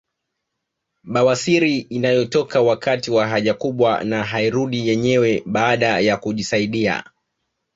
Bawasiri inayotoka wakati wa haja kubwa na hairudi yenyewe baada ya kujisaidia